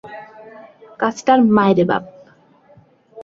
কাজটার মায়রে বাপ।